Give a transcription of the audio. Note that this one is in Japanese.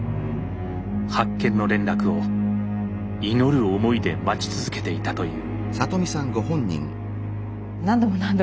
発見の連絡を祈る思いで待ち続けていたという。